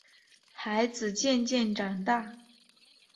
孩子渐渐长大